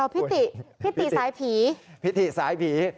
พี่ติพี่ติสายผี